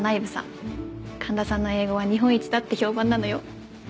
神田さんの英語は日本一だって評判なのよ。